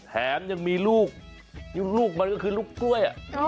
แถมยังมีลูกลูกมันก็คือลูกกล้วย